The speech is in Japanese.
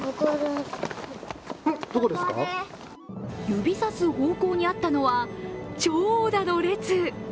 指さす方向にあったのは長蛇の列。